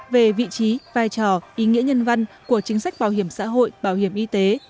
về vị trí vai trò ý nghĩa nhân văn của chính sách bảo hiểm xã hội bảo hiểm y tế